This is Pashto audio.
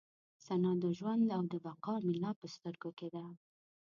ثنا د ژوند او د بقا مې لا په سترګو کې ده.